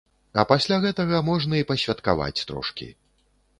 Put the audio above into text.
А пасля гэтага можна і пасвяткаваць трошкі.